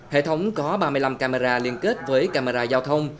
hệ thống có ba mươi năm camera liên kết với camera giao thông